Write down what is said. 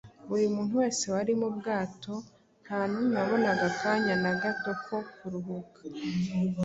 Buri muntu wese wari mu bwato nta n’umwe wabonaga akanya na gato ko kuruhuka.